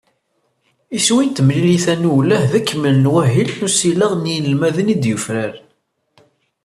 Iswi n temlilit-a n uwelleh d akemmel n wahil n usileɣ n yinelmaden i d-yufraren.